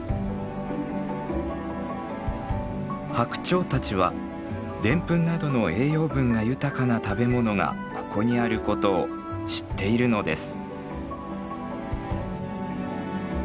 ハクチョウたちはデンプンなどの栄養分が豊かな食べ物がここにあることを知っているのです。